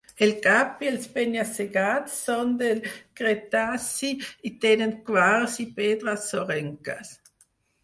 El cap i els penya-segats són del Cretaci i tenen quars i pedres sorrenques.